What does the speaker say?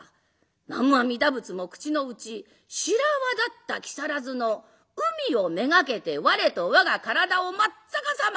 南無阿弥陀仏も口のうち白泡立った木更津の海を目がけて我と我が体を真っ逆さま！